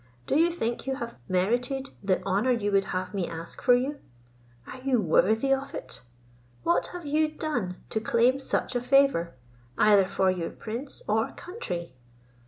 Do you think you have merited the honour you would have me ask for you? Are you worthy of it? What have you done to claim such a favour, either for your prince or country?